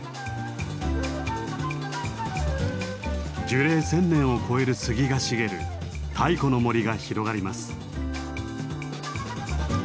樹齢１，０００年を超える杉が茂る太古の森が広がります。